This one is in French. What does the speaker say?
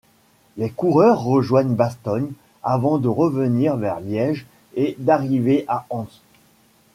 Les coureurs rejoignent Bastogne avant de revenir vers Liège et d'arriver à Ans.